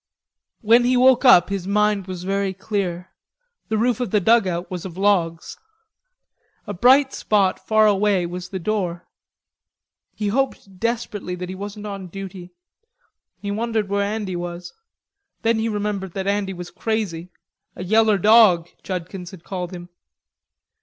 When he woke up his mind was very clear. The roof of the dugout was of logs. A bright spot far away was the door. He hoped desperately that he wasn't on duty. He wondered where Andy was; then he remembered that Andy was crazy, "a yeller dawg," Judkins had called him.